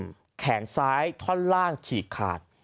โคอร์อิบแขนซ้ายท่อนล่างฉี่ขาด